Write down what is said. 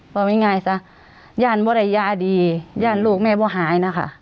ว่าไม่ง่ายสักลูกจะไม่ได้ทรงตัวไปนะค่ะ